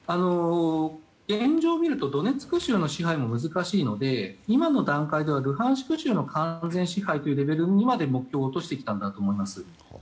現状を見るとドネツク州の支配も難しいので今の段階ではルハンシク州の完全支配というレベルにまで目標を落としてきたんだと思います。